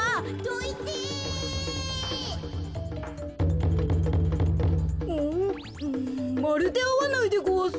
うんまるであわないでごわす。